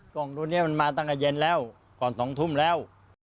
กล่องตัวนี้มันมาตั้งแต่เย็นแล้วก่อน๒ทุ่มแล้ว